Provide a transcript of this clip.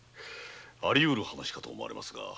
ありうる話かと思われますが。